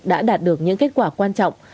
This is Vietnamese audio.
đã đạt được những kết quả quan trọng